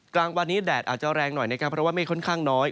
กลางวันนี้แดดอาจจะแรงหน่อยนะครับเพราะว่าเมฆค่อนข้างน้อย